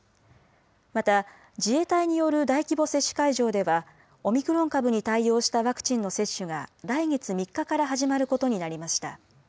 また、自衛隊による大規模接種会場ではオミクロン株に対応したワクチンの接種が来月３日から始まることになりました。